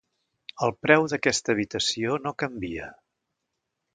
El preu d'aquesta habitació no canvia.